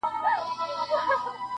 • خو ذهن کي يې شته ډېر..